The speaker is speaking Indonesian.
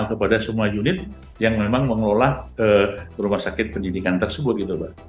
kepada semua unit yang memang mengelola rumah sakit pendidikan tersebut gitu mbak